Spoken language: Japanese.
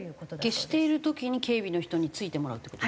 消している時に警備の人についてもらうって事ですか？